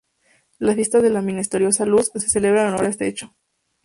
La "Fiesta de la Misteriosa Luz" se celebra en honor a este hecho.